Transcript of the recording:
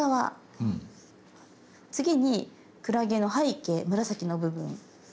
次にクラゲの背景紫の部分。